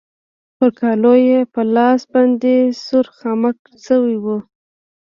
پر کالو يې په لاس باندې سور خامک شوی و.